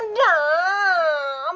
ke dalam turun